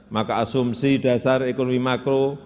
maka asumsi dasar ekonomi makro